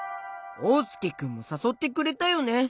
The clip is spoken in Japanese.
おうすけくんもさそってくれたよね。